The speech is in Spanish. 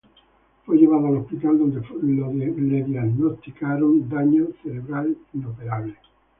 Fue llevado al hospital donde fue diagnosticado de daño cerebral inoperable.